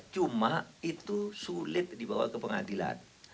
cuma itu sulit dibawa ke pengadilan